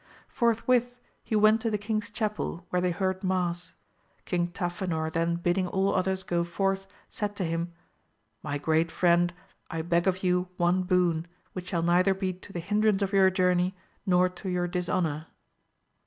Forth with he went to the king's chapel where they heard mass ; King Tafinor then bidding all others go forth, said to him, My great friend, I beg of you one boon, which shall neither be to the hindrance of your journey nor to your dishonour.